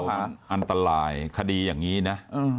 อันตรายคดีอย่างนี้นะ